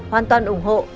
hoàn toàn ủng hộ